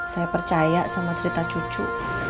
saya percaya sama cerita cucu